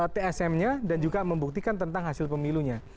tsm nya dan juga membuktikan tentang hasil pemilunya